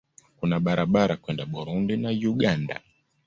Kuna barabara kwenda Burundi na Uganda.